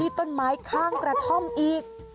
ต้นไม้ข้างกระท่อมอีก